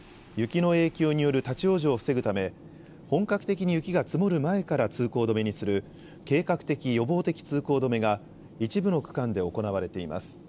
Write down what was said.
雪の影響による立往生を防ぐため本格的に雪が積もる前から通行止めにする計画的・予防的通行止めが一部の区間で行われています。